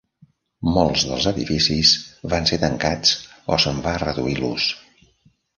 Molts dels edificis van ser tancats o se'n va reduir l'ús.